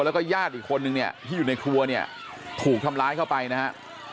แล้วก็ญาติอีกคนนึงเนี่ยที่อยู่ในครัวเนี่ยถูกทำร้ายเข้าไปนะฮะ